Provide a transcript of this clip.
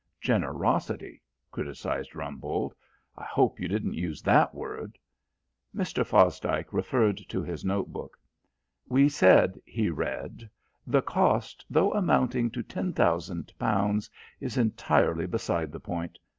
"Generosity," criticised Rumbold. "I hope you didn't use that word." Mr. Fosdike referred to his notebook. "We said," he read, "'the cost, though amounting to ten thousand pounds, is entirely beside the point.